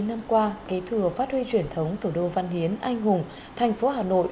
bảy mươi năm qua kế thừa phát huy truyền thống thủ đô văn hiến anh hùng thành phố hà nội